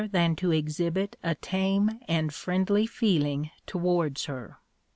055) than to exhibit a tame and friendly feeling towards her.